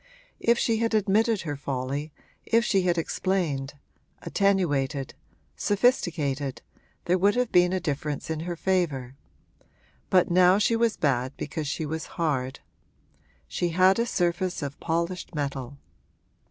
If she had admitted her folly, if she had explained, attenuated, sophisticated, there would have been a difference in her favour; but now she was bad because she was hard. She had a surface of polished metal.